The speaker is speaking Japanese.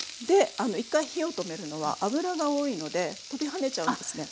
一回火を止めるのは脂が多いので跳びはねちゃうんですね。